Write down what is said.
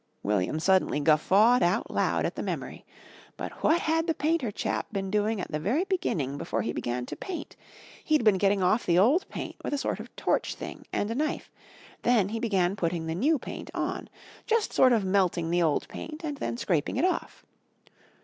William suddenly guffawed out loud at the memory. But what had the painter chap been doing at the very beginning before he began to paint? He'd been getting off the old paint with a sort of torch thing and a knife, then he began putting the new paint on. Just sort of melting the old paint and then scraping it off.